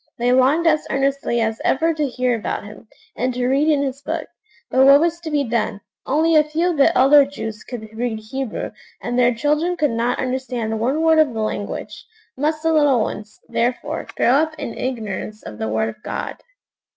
They longed as earnestly as ever to hear about Him, and to read in His Book; but what was to be done? Only a few of the elder Jews could read Hebrew, and their children could not understand one word of the language. Must the little ones, therefore, grow up in ignorance of the Word of God?